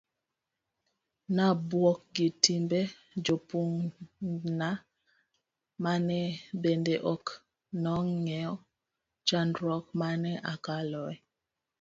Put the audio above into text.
nabuok gi timbe jopunjna mane bende ok nong'eyo chandruok mane akaloe